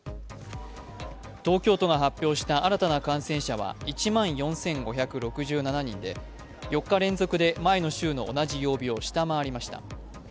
東京都が発表した新たな感染者は１万４５６７人で４日連続で前の週の同じ曜日を下回りました。